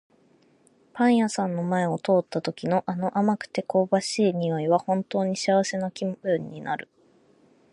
パン屋さんの前を通った時の、あの甘くて香ばしい匂いは本当に幸せな気分になる。